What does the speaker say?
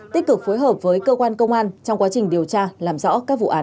tích cực phối hợp với cơ quan công an trong quá trình điều tra làm rõ các vụ án